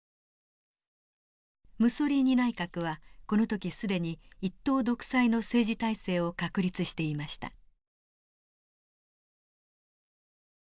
ムッソリーニ内閣はこの時既に一党独裁の政治体制を確立していました。